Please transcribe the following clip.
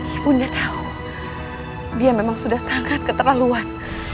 ibunda tahu dia memang sudah sangat keterlaluan